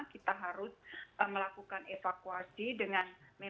kita harus melakukan evakuasi dengan baik